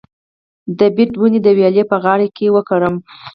د بید ونې د ویالې په غاړه وکرم؟